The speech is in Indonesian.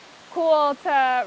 dan melihat semua wilayah kecil